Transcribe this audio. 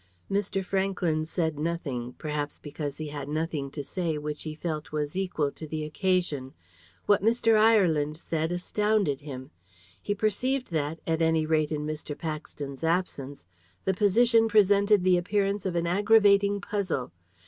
Mr. Franklyn said nothing, perhaps because he had nothing to say which he felt was equal to the occasion. What Mr. Ireland said astounded him. He perceived that, at any rate in Mr. Paxton's absence, the position presented the appearance of an aggravating puzzle.